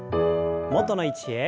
元の位置へ。